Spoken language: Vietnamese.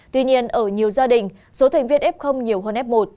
tuy nhiên ở nhiều gia đình số thành viên f nhiều hơn f một